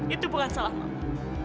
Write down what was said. itu bukan salah mama